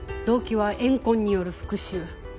動機は怨恨による復讐。